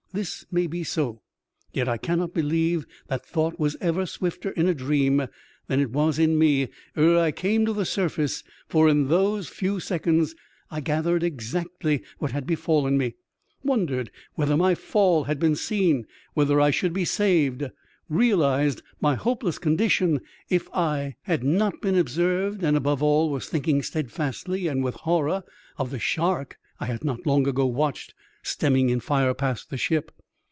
This may be so ; yet I cannot believe that thought was ever swifter in a dream than it was in me ere I came to the surface, for in those few seconds I gathered exactly what had befallen me, wondered whether my fall had been seen, whether I should be saved, realized my hopeless condition if I had not been observed, and, above all, was thinking steadfastly and with horror of the shark I had not long ago watched stemming in fire past the ship.